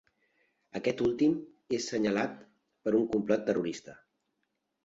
Aquest últim és senyalat per un complot terrorista.